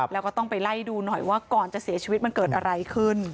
แล้วก็ต้องไปไล่ดูหน่อยว่าก่อนจะเสียชีวิตมันเกิดอะไรขึ้น